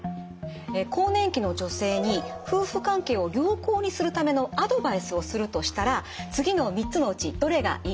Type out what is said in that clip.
更年期の女性に夫婦関係を良好にするためのアドバイスをするとしたら次の３つのうちどれがいいと思いますか？